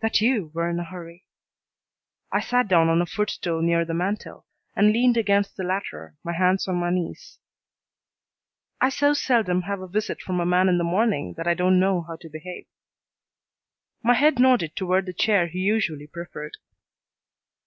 "That you were in a hurry." I sat down on a footstool near the mantel, and leaned against the latter, my hands on my knees. "I so seldom have a visit from a man in the morning that I don't know how to behave." My head nodded toward the chair he usually preferred.